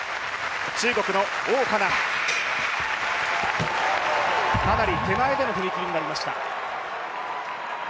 中国の王嘉男、かなり手前での踏み切りになりました。